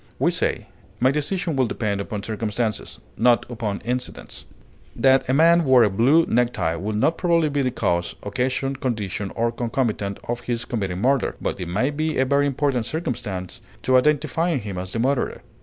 We say, "My decision will depend upon circumstances" not "upon incidents." That a man wore a blue necktie would not probably be the cause, occasion, condition, or concomitant of his committing murder; but it might be a very important circumstance in identifying him as the murderer.